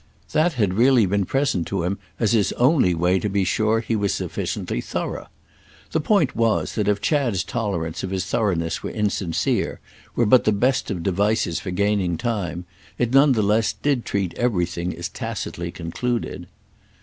That had really been present to him as his only way to be sure he was sufficiently thorough. The point was that if Chad's tolerance of his thoroughness were insincere, were but the best of devices for gaining time, it none the less did treat everything as tacitly concluded.